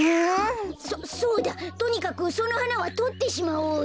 そそうだとにかくそのはなはとってしまおうよ。